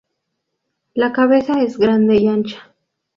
La cabeza es grande y ancha.